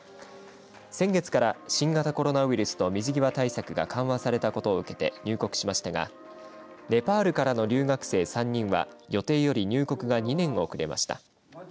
先月から新型コロナウイルスの水際対策が緩和されたことを受けて入国しましたがネパールからの留学生３人は予定より入国が２年遅れました。